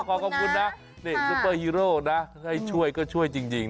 ขอขอบคุณนะนี่ซุปเปอร์ฮีโร่นะให้ช่วยก็ช่วยจริง